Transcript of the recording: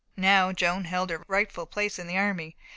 Now Joan held her rightful place in the army.